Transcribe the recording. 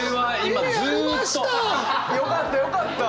よかったよかった！